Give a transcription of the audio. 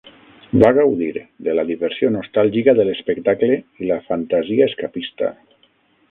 Va gaudir de la diversió nostàlgica de l'espectacle i la "fantasia escapista".